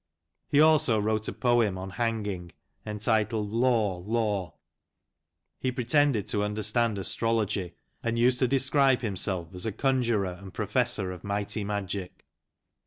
He also wrote a poem on hanging, entitled " Law, law." He pretended to understand astrology, and used to describe himself as a " conjurer and professor of mighty magic."